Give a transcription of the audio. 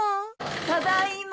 ・ただいま。